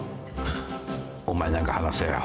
お前何か話せよ。